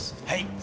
はい。